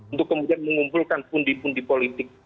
untuk kemudian mengumpulkan pundi pundi politik